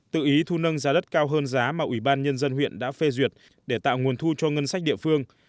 tự ý thu nâng giá đất cao hơn giá mà ủy ban nhân dân huyện đã phê duyệt để tạo nguồn thu cho ngân sách địa phương